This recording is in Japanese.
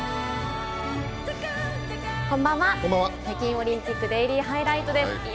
北京オリンピックデイリーハイライトです。